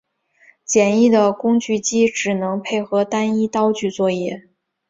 简易的工具机只能配合单一刀具作业。